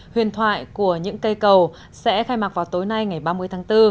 huyền thoại của những cây cầu sẽ khai mạc vào tối nay ngày ba mươi tháng bốn